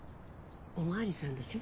お巡りさんでしょ。